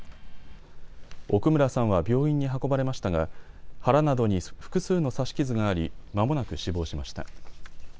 奥村さんは病院に運ばれましたが腹などに複数の刺し傷がありまもなく死亡しました。